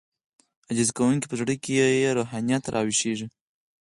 عاجزي کوونکی په زړه کې يې روحانيت راويښېږي.